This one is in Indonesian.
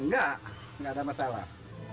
tidak tidak ada masalah